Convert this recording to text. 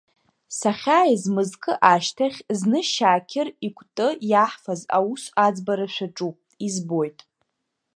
Сахьааиз мызкы ашьҭахь зны Шьаақьыр икәты иаҳфаз аус аӡбара шәаҿуп избоит…